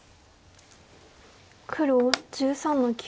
黒１３の九。